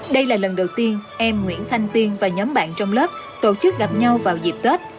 đây là lần đầu tiên em nguyễn thanh tiên và nhóm bạn trong lớp tổ chức gặp nhau vào dịp tết